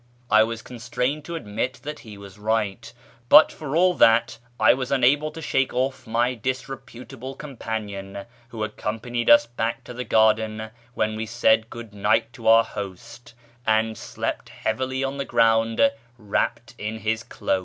I was constrained to admit that he was right ; but for all that I was unable to shake off my disreputable companion, who accompanied us back to the garden when we said good night to our host, and slept heavily on the ground wrapped in his cloak.